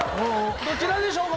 どちらでしょうか？